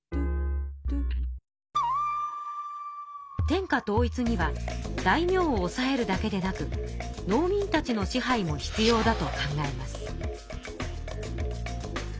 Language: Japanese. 天下統一には大名をおさえるだけでなく農民たちの支配も必要だと考えます。